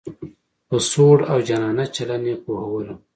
په سوړ او جانانه چلن یې پوهولم.